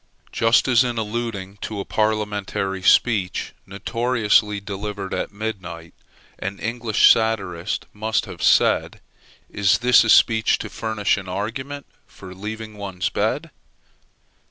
Just as, in alluding to a parliamentary speech notoriously delivered at midnight, an English satirist must have said, Is this a speech to furnish an argument for leaving one's bed?